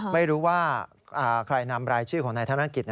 ไม่รู้ว่าใครนำรายชื่อของนายธนกิจ